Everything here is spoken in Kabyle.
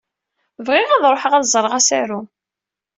Bɣiɣ ad ṛuḥeɣ ad ẓṛeɣ asaru.